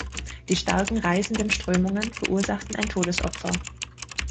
Die starken reißenden Strömungen verursachten ein Todesopfer.